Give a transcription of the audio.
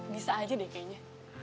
bisa aja deh kayaknya